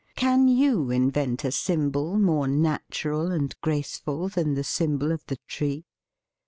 Can you invent a sym bol more natural and graceful than the symbol of the Tree?